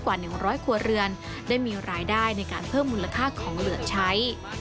กว่า๑๐๐ครัวเรือนได้มีรายได้ในการเพิ่มมูลค่าของเหลือใช้